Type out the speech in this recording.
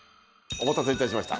お待たせ致しました。